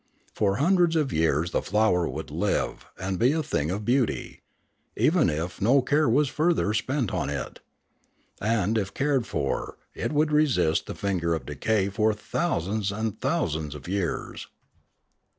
For hundreds of years the flower would live and be a thing of beauty, even if no care was further spent on it; and, if cared for, it would resist the finger of decay for thou sands and thousands of years.